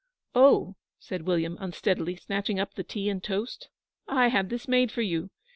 'Oh,' said William, unsteadily, snatching up the tea and toast, 'I had this made for you.